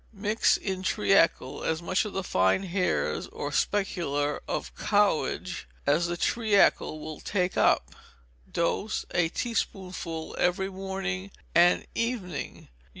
Mix in treacle as much of the fine hairs or spiculæ of cowhage as the treacle will take up. Dose, a teaspoonful every morning and evening.